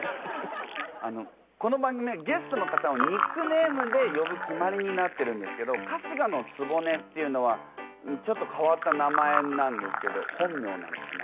あのこの番組はゲストの方をニックネームで呼ぶ決まりになってるんですけど春日局っていうのはちょっと変わった名前なんですけど本名なのかな？